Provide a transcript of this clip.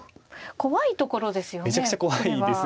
怖いところですよねこれは。